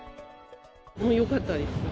よかったです。